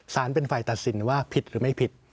เป็นฝ่ายตัดสินว่าผิดหรือไม่ผิด